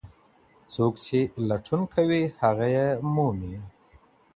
څوک چي لټون کوي هغه يې مومي.